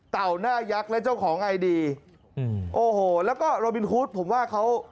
หน้ายักษ์และเจ้าของไอดีอืมโอ้โหแล้วก็โรบินฮูดผมว่าเขา